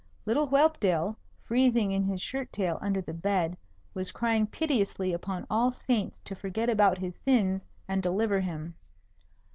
Little Whelpdale, freezing in his shirt tail under the bed, was crying piteously upon all Saints to forget about his sins and deliver him.